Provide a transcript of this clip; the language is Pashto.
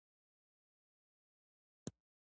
علم په خپله ژبه ښه زده کيږي.